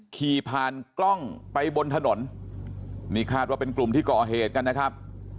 ขี่ผ่านกล้องไปบนถนนนี่คาดว่าเป็นกลุ่มที่ก่อเหตุกันนะครับ